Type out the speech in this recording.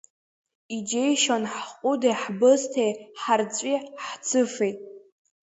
Иџьеишьон ҳҟәыди ҳбысҭеи, ҳарҵәи ҳцыфеи.